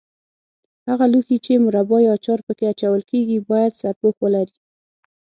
هغه لوښي چې مربا یا اچار په کې اچول کېږي باید سرپوښ ولري.